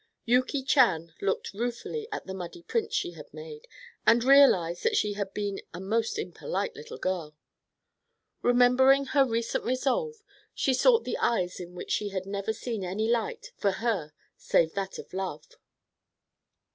Yuki Chan looked ruefully at the muddy prints she had made and realized that she had been a most impolite little girl. Remembering her recent resolve, she sought the eyes in which she had never seen any light for her save that of love.